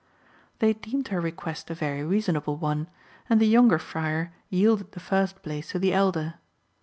They deemed her request a very reasonable one, and the younger friar yielded the first place to the elder.